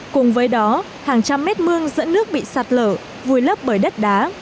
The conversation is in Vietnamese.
cùng với đó hàng trăm mét mương dẫn nước bị sạt lở vùi lấp bởi đất đá